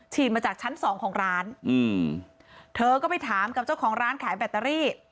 มาจากชั้นสองของร้านอืมเธอก็ไปถามกับเจ้าของร้านขายแบตเตอรี่